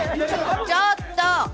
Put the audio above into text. ちょっと！